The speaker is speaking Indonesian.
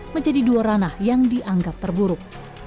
menjadi dua ranah yang dianggap terburuk